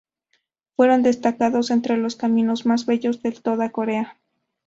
Fueron destacados entre los caminos más bellos de toda Corea.